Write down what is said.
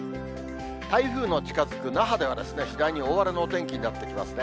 台風の近づく那覇では、次第に大荒れのお天気になってきますね。